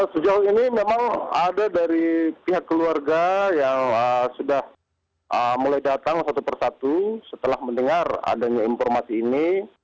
sejauh ini memang ada dari pihak keluarga yang sudah mulai datang satu persatu setelah mendengar adanya informasi ini